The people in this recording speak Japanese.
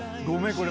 これ。